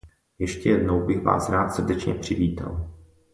Ještě jednou bych vás rád srdečně přivítal.